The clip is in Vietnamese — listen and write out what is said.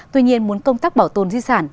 tuy nhiên muốn công tác bảo tồn di sản